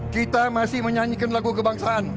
kita masih menyanyikan lagu kebangsaan